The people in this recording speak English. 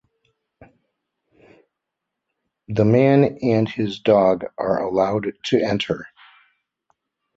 The man and his dog are allowed to enter.